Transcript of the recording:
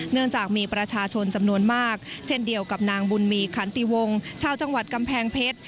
เนื่องจากมีประชาชนจำนวนมากเช่นเดียวกับนางบุญมีขันติวงชาวจังหวัดกำแพงเพชร